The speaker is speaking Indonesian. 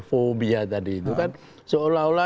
fobia tadi itu kan seolah olah